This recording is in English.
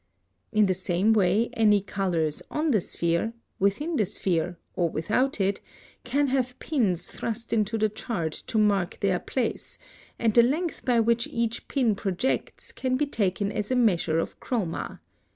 In the same way any colors on the sphere, within the sphere, or without it, can have pins thrust into the chart to mark their place, and the length by which each pin projects can be taken as a measure of chroma.